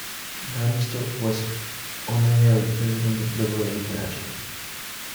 Lambsdorff was honorary president of Liberal International.